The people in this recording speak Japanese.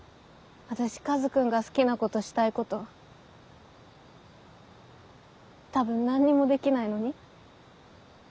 私カズくんが好きなことしたいこと多分何もできないのに？